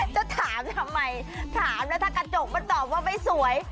จะถามทำไมถามแล้วถ้ากระจกมันตอบว่าไม่สวย